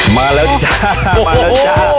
มาแล้วสิจ๊ะ